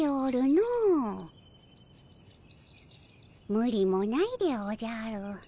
むりもないでおじゃる。